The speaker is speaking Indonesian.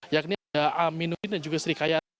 yakni ada aminuddin dan juga srikaya